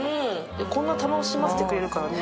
こんな楽しませてくれるからね。